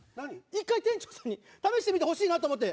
一回店長さんに試してみてほしいなと思って。